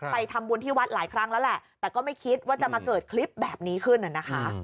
ทำบุญที่วัดหลายครั้งแล้วแหละแต่ก็ไม่คิดว่าจะมาเกิดคลิปแบบนี้ขึ้นน่ะนะคะ